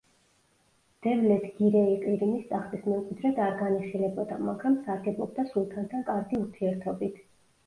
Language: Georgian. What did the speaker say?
დევლეთ გირეი ყირიმის ტახტის მემკვიდრედ არ განიხილებოდა, მაგრამ სარგებლობდა სულთანთან კარგი ურთიერთობით.